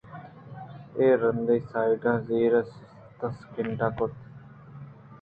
اے رَندی سانڈ ءَ زہر ءَ دسکنڈ کُت